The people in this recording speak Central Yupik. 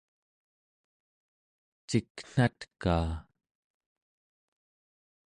ciknatkaa